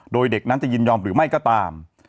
โดยเด็กนั้นจะยินยอมหรือไม่ก็ตาม